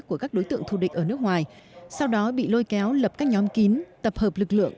của các đối tượng thù địch ở nước ngoài sau đó bị lôi kéo lập các nhóm kín tập hợp lực lượng